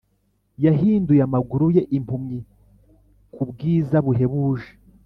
yahinduye amaguru ye impumyi kubwiza buhebuje,